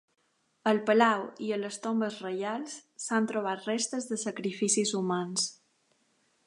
Al palau i a les tombes reials, s'han trobat restes de sacrificis humans.